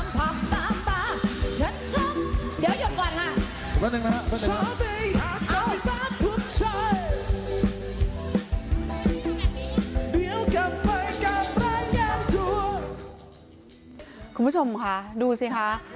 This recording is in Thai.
คุณผู้ชมค่ะดูสิคะ